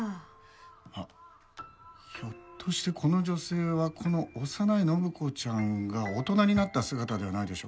あっひょっとしてこの女性はこの幼い展子ちゃんが大人になった姿ではないでしょうか？